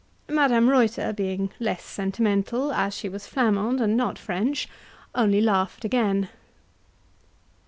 Madame Reuter, being less sentimental, as she was Flamand and not French, only laughed again.